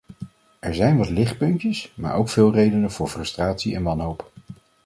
Er zijn wat lichtpuntjes, maar ook veel redenen voor frustratie en wanhoop.